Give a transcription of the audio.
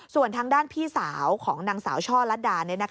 ส่วนทางด้านพี่สาวของนางสาวช่อลัดดา